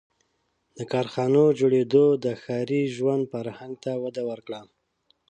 • د کارخانو جوړېدو د ښاري ژوند فرهنګ ته وده ورکړه.